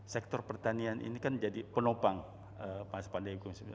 sektor pertanian ini kan jadi penopang masa pandemi